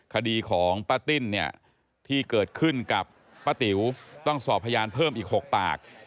คดีของป้าติ้นเนี่ยที่เกิดขึ้นกับป้าติ๋วต้องสอบพยานเพิ่มอีก๖ปาก